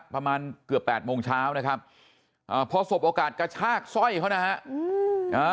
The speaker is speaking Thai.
ประมาณเกือบแปดโมงเช้านะครับอ่าพอสบโอกาสกระชากสร้อยเขานะฮะ